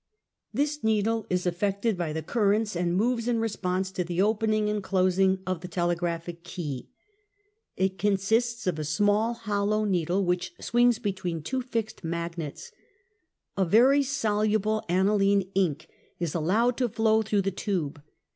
This needle is affected by the currents, and moves in response to the opening and closing of the telegraphic key. It consists of a small hollow needle, which swings between two fixed magnets. A very soluble analine ink is allowed to flow through the tube.